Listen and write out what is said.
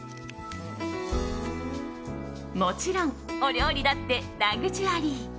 もちろん、お料理だってラグジュアリー。